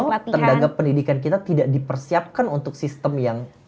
jadi menurut lu tendaga pendidikan kita tidak dipersiapkan untuk sistem yang